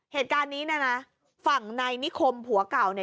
เหตุการณ์นี้นะฝั่งในนิคมผัวเก่า